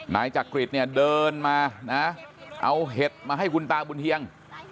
นายจักริตเนี่ยเดินมานะเอาเห็ดมาให้คุณตาบุญเฮียง